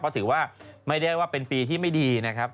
เพราะถือว่าไม่ได้ว่าเป็นปีที่ไม่ดีนะครับ